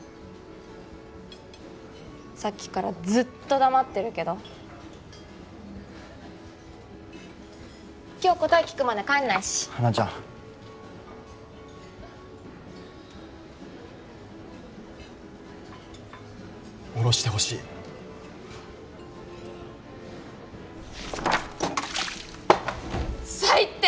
さっきからずっと黙ってるけど今日答え聞くまで帰んないしハナちゃん堕ろしてほしい最低！